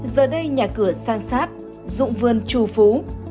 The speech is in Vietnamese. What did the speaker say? giờ đây nhà cửa san sát dụng vườn trù phú